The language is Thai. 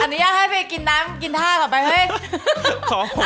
อันนี้อยากให้เฟรต์กินน้ำกินท่าขอบพี่ังเฟ้ย